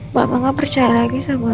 mama gak percaya lagi sama aku